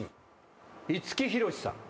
五木ひろしさん。